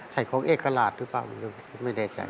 ใส่ของเอกลาสหรือเปล่านุ่มไม่ได้ใส่